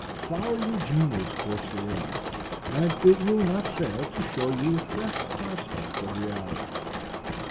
Follow your genius closely enough, and it will not fail to show you a fresh prospect every hour.